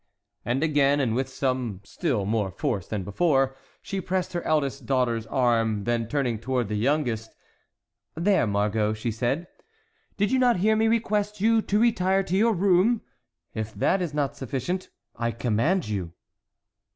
And again, and with still more force than before, she pressed her eldest daughter's arm; then, turning toward the youngest: "There, Margot," she said, "did you not hear me request you to retire to your room? If that is not sufficient, I command you."